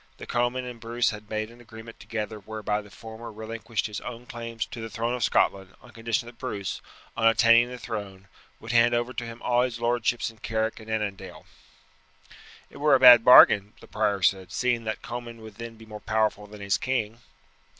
The Comyn and Bruce had made an agreement together whereby the former relinquished his own claims to the throne of Scotland on condition that Bruce, on attaining the throne, would hand over to him all his lordships in Carrick and Annandale." "It were a bad bargain," the prior said, "seeing that Comyn would then be more powerful than his king."